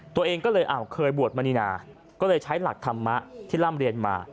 ตัวเองก็เลยเคยบวชมณีนาก็เลยใช้หลักธรรมะที่ร่ำเรียนมา